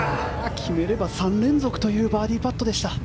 決めれば３連続というバーディーパットでした。